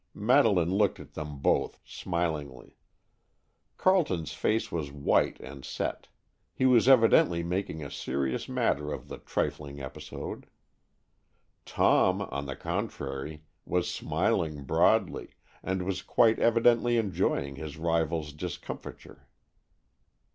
Madeleine looked at them both smilingly. Carleton's face was white and set; he was evidently making a serious matter of the trifling episode. Tom, on the contrary, was smiling broadly, and was quite evidently enjoying his rival's discomfiture.